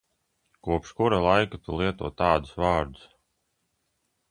Kopš kura laika tu lieto tādus vārdus?